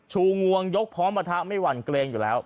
ชูงวงยกพ้อมปะทะไม่วันเกรงอยู่แล้ว